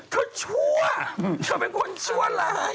เขาชั่วเขาเป็นคนชั่วลาย